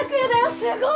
すごい！